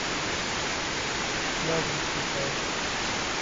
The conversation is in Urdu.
نہ دوسری طرف۔